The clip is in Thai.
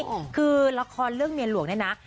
ก็คือลักษณ์เรื่องเมียหลวงน่ะนะ